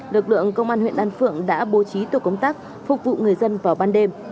lực lượng công an huyện an phượng đã bố trí tổ công tác phục vụ người dân vào ban đêm